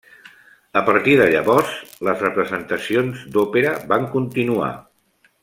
A partir de llavors, les representacions d'òpera van continuar.